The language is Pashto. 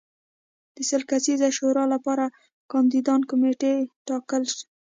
د سل کسیزې شورا لپاره کاندیدان کمېټې ټاکل